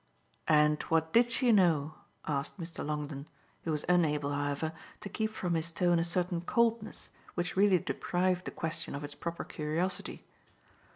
"And what did she know?" asked Mr. Longdon, who was unable, however, to keep from his tone a certain coldness which really deprived the question of its proper curiosity.